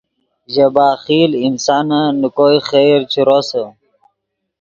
ژے بخیل انسانن نے کوئے خیر چے روسے